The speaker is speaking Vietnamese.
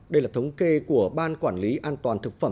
đây là thống kê của ban quản lý an toàn thực phẩm